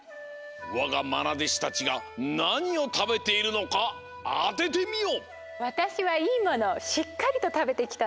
わがまなでしたちがなにをたべているのかあててみよ！